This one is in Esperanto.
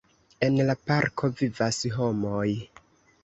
En la parko vivas homoj.